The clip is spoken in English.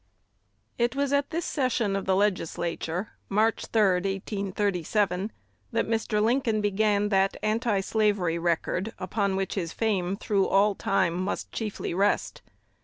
It was at this session of the Legislature, March 3, 1837, that Mr. Lincoln began that antislavery record upon which his fame through all time must chiefly rest.